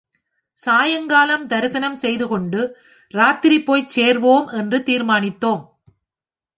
சாயங்காலம் தரிசனம் செய்துகொண்டு, ராத்திரி போய்ச் சேர்வோம் என்று தீர்மானித்தோம்.